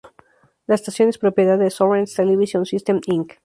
La estación es propiedad de Sorensen Television Systems, Inc.